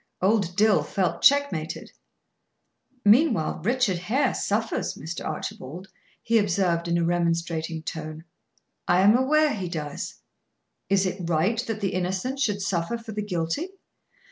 Old Dill felt checkmated. "Meanwhile Richard Hare suffers, Mr. Archibald," he observed, in a remonstrating tone. "I am aware he does." "Is it right that the innocent should suffer for the guilty?"